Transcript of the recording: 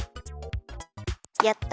やった。